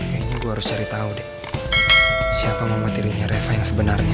kayaknya gue harus cari tahu deh siapa mama tirinya reva yang sebenarnya